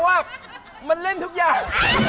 ว่ามันเล่นทุกอย่าง